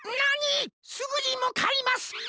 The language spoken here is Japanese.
すぐにむかいます！